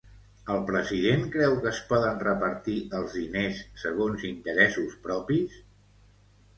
El president creu que es poden repartir els diners segons interessos propis?